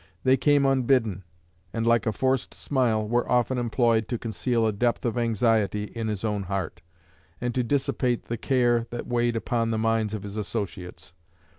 They came unbidden, and, like a forced smile, were often employed to conceal a depth of anxiety in his own heart, and to dissipate the care that weighed upon the minds of his associates.